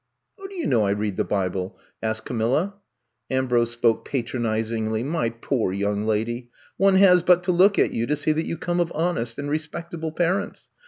*^How do you know I read the Bible?" asked Camilla. Ambrose spoke patronizingly. ^*My poor young lady, one has but to look at you to see that you come of honest and respectable parents.